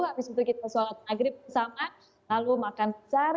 habis itu kita sholat maghrib bersama lalu makan besar